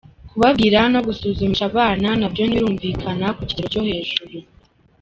Kubabwira no gusuzumisha abana nabyo ntibirumvikana ku kigero cyo hejuru.